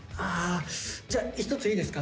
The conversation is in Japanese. じゃあ一ついいですか？